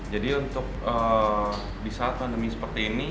jadi untuk di saat pandemi seperti ini